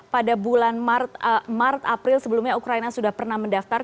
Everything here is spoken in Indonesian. pada bulan maret april sebelumnya ukraina sudah pernah mendaftar